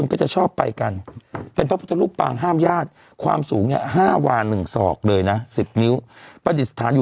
โอ้โหโอเคโอเคนะ